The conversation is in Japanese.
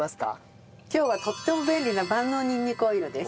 今日はとっても便利な万能にんにくオイルです。